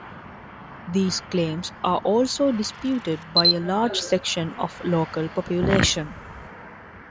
These claims are also disputed by a large section of the local population.